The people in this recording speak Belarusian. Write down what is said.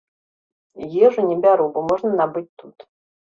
Ежу не бяру, бо можна набыць тут.